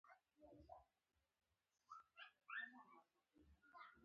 سيد جمال الدین افغان د وطن وياړ دي.